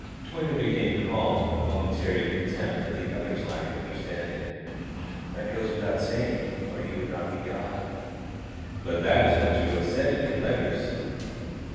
Toyner became calm with a momentary contempt of the other's lack of understanding. "That goes without saying, or He would not be God." "But that is what you have said in your letters."